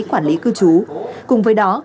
quản lý cư trú cùng với đó